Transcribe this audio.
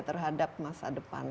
terhadap masa depan